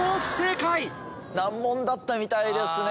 難問だったみたいですね。